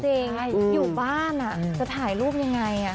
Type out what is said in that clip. เอาจริงอยู่บ้านจะถ่ายรูปยังไง